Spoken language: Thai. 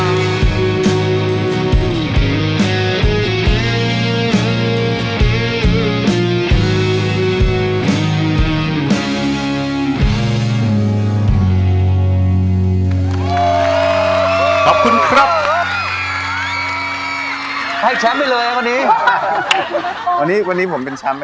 ก็ความเชื่อเอาไปคุณเป็นคนข้อมูล